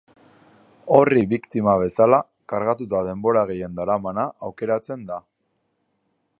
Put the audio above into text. Orri biktima bezala kargatuta denbora gehien daramana aukeratzen da.